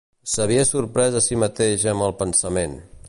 S'havia sorprès a si mateix amb el pensament.